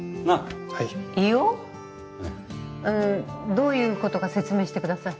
どういうことか説明してください。